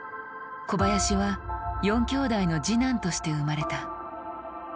小林は４きょうだいの次男として生まれた。